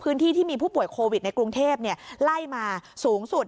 ที่มีผู้ป่วยโควิดในกรุงเทพไล่มาสูงสุด